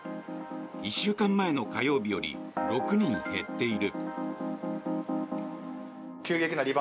１週間前の火曜日より６人減っている。